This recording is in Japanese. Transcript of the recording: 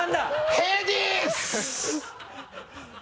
ヘディス！